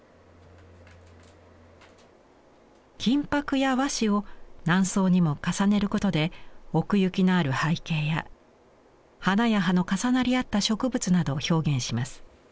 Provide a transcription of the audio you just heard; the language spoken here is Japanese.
金箔や和紙を何層にも重ねることで奥行きのある背景や花や葉の重なり合った植物などを表現します。